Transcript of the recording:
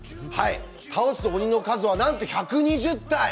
倒す鬼の数はなんと１２０体。